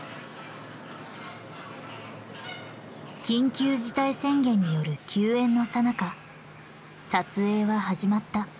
緊急事態宣言による休園のさなか撮影は始まった。